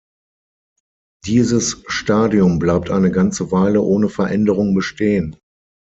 Dieses Stadium bleibt eine ganze Weile ohne Veränderung bestehen.